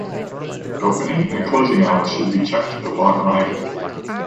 Opening and closing hours should be checked upon arrival.